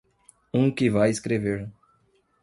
Um que vai escrever.